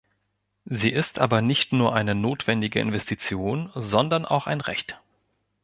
Sie ist aber nicht nur eine notwendige Investition, sondern auch ein Recht.